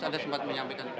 ada sempat menyampaikan